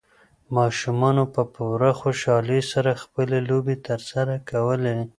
ماشومانو په پوره خوشالۍ سره خپلې لوبې ترسره کولې.